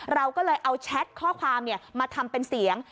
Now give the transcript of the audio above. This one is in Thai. เราก็เลยเอาแชทข้อความมาทำเป็นเสียง